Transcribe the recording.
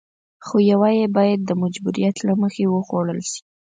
خو يوه يې بايد د مجبوريت له مخې وخوړل شي.